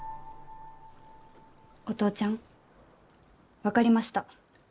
お父ちゃん分かりました。